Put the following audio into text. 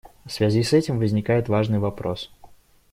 В связи с этим возникает важный вопрос.